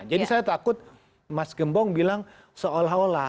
jadi saya takut mas gembong bilang seolah olah